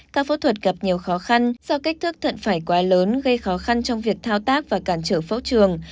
các phẫu thuật gặp nhiều khó khăn do kích thước thận phải quá lớn gây khó khăn trong việc thao tác và cản trở phẫu trường